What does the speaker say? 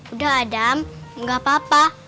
udah adam nggak apa apa